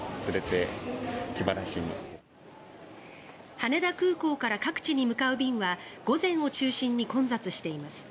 羽田空港から各地に向かう便は午前を中心に混雑しています。